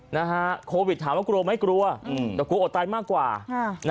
นะฮะโควิดถามเข้ามากรู้อะไรไม่กลัวแต่กลัวโอดใจมากกว่าอ่า